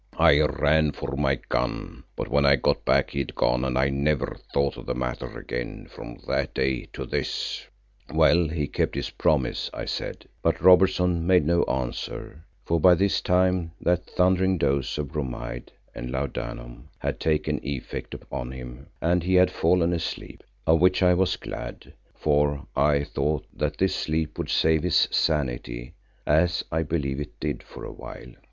I ran for my gun, but when I got back he had gone and I never thought of the matter again from that day to this." "Well, he kept his promise," I said, but Robertson made no answer, for by this time that thundering dose of bromide and laudanum had taken effect on him and he had fallen asleep, of which I was glad, for I thought that this sleep would save his sanity, as I believe it did for a while.